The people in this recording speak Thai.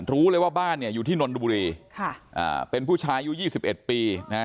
รู้เลยว่าบ้านเนี่ยอยู่ที่นนทบุรีเป็นผู้ชายอยู่๒๑ปีนะ